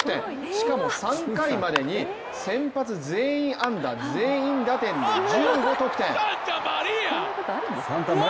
しかも３回までに先発全員安打全員打点の１５得点。